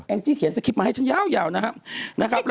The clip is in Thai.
แอ่งจริงเขียนสกิปมาให้ฉันยาวนะครับ